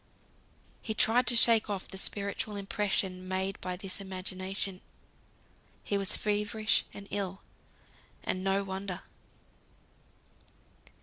He tried to shake off the spiritual impression made by this imagination. He was feverish and ill, and no wonder.